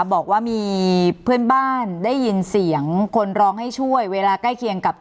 บอกว่ามีเพื่อนบ้านได้ยินเสียงคนร้องให้ช่วยเวลาใกล้เคียงกับ